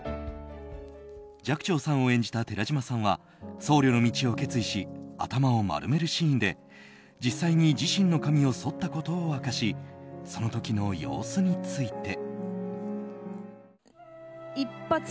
寂聴さんを演じた寺島さんは僧侶の道を決意し頭を丸めるシーンで、実際に自身の髪をそったことを明かしその時の様子について。